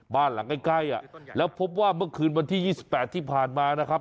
บ้านหลังใกล้แล้วพบว่าเมื่อคืนวันที่๒๘ที่ผ่านมานะครับ